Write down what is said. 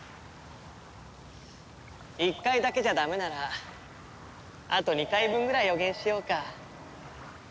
１回だけじゃダメならあと２回分ぐらい予言しようか。